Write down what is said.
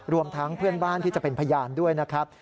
รวมทั้งเพื่อนบ้านที่จะเป็นพยานด้วยนะครับ